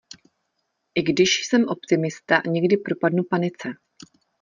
I když jsem optimista, někdy propadnu panice.